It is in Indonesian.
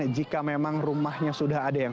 jika memang rumahnya sudah ada yang